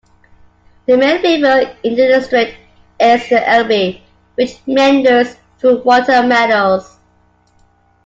The main river in the district is the Elbe, which meanders through water meadows.